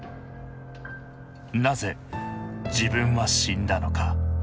なぜ自分は死んだのか。